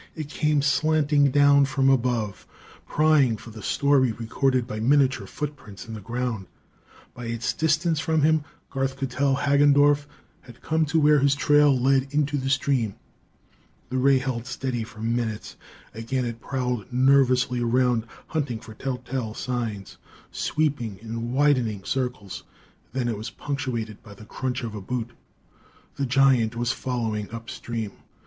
It came slanting down from above, prying for the story recorded by miniature footprints in the ground. By its distance from him, Garth could tell Hagendorff had come to where his trail led into the stream. The ray held steady for minutes. Again it prowled nervously around, hunting for tell tale signs, sweeping in widening circles. Then, it was punctuated by the crunch of a boot. The giant was following upstream!